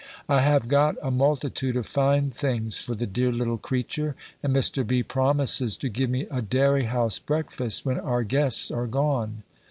I have got a multitude of fine things for the dear little creature, and Mr. B. promises to give me a dairy house breakfast, when our guests are gone.